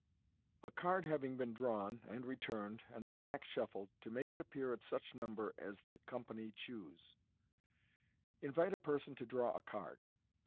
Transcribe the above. Fig. 40. A Card having been Drawn . nd Returned, and the Pack SHUFFLED, TO MAKE XT APPEAR AT SUCH NUMBER AS THE COM 74 MODERN MAGIC pasty Choose.* — Invite a person to draw a card.